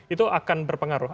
itu akan berpengaruh